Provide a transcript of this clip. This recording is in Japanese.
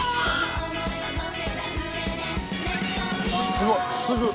すごい！すぐ。